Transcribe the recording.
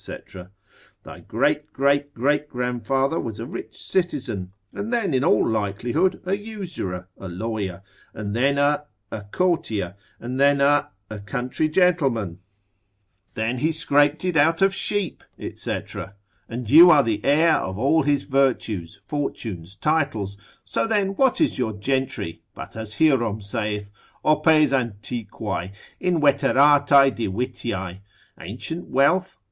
Thy great great great grandfather was a rich citizen, and then in all likelihood a usurer, a lawyer, and then a—a courtier, and then a—a country gentleman, and then he scraped it out of sheep, &c. And you are the heir of all his virtues, fortunes, titles; so then, what is your gentry, but as Hierom saith, Opes antiquae, inveteratae divitiae, ancient wealth?